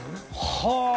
はあ。